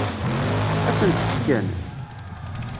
Ad sent-t-fken?